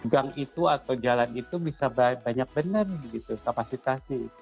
gang itu atau jalan itu bisa banyak bener gitu kapasitasi